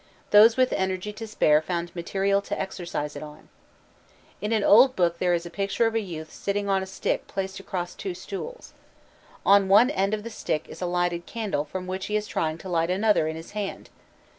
Those with energy to spare found material to exercise it on. In an old book there is a picture of a youth sitting on a stick placed across two stools. On one end of the stick is a lighted candle from which he is trying to light another in his hand.